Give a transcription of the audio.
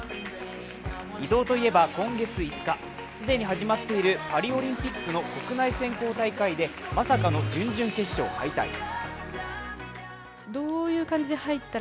伊藤といえば今月５日既に始まっているパリオリンピックの国内選考大会でまさかの準々決勝敗退。